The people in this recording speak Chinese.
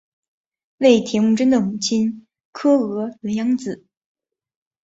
为铁木真的母亲诃额仑养子。